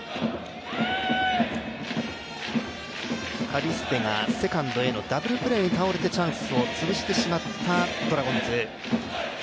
カリステがセカンドへのダブルプレーに倒れて、チャンスを潰してしまったドラゴンズ。